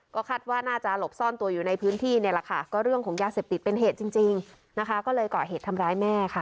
ก็คาดว่าน่าจะหลบซ่อนตัวอยู่ในพื้นที่เนี่ยแหละค่ะก็เรื่องของยาเสพติดเป็นเหตุจริงนะคะก็เลยเกาะเหตุทำร้ายแม่ค่ะ